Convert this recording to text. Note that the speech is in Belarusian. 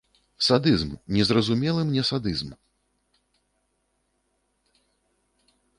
Садызм, незразумелы мне садызм.